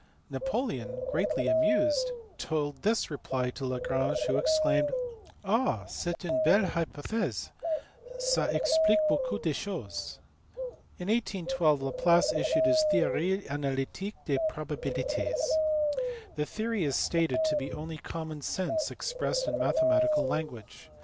" Napoleon, greatly amused, told this reply to Lagrange, who exclaimed, " Ah ! c est une belle hypothese ; ^a explique beaucoup de choses." In 1812 Laplace issued his TJieorie analytiqne des proba bilites. The theory is stated to be only common sense ex pressed in mathematical language.